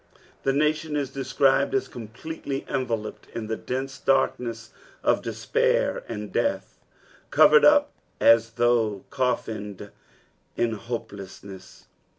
The nation is described as completely enrelojied in the dense darkness of des^ir and death, covered up as though coffined in hopelcFsnesa.